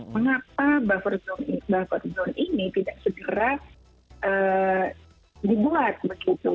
mengapa buffer zone ini tidak segera dibuat begitu